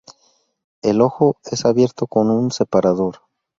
El ojo es abierto con un separador.